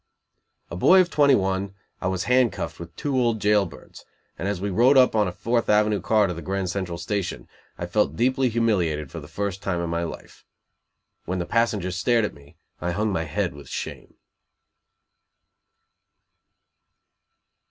A boy of twenty one, I was hand cuffed with two old jail birds, and as we rode up on a Fourth Avenue car to the Grand Central Station, I felt deeply humiliated for the first time in my life. When the passengers stared at me I hung my head with shame.